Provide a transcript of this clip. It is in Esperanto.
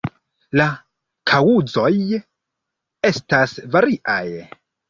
La kaŭzoj estas variaj.